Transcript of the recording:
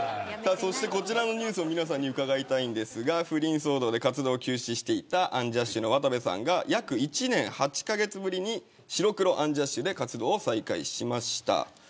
そしてこちらのニュースも皆さんに伺いたいんですが不倫騒動で活動休止していたアンジャッシュの渡部さんが約１年８カ月ぶりに白黒アンジャッシュで活動を再開しました。